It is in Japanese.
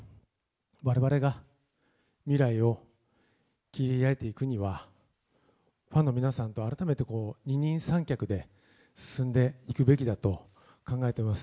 我々が未来を切り開いていくにはファンの皆さんと改めて二人三脚で進んでいくべきだと考えています。